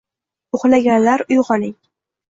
“Uxlaganlar, uygʻoning…” –